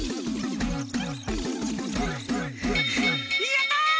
やった！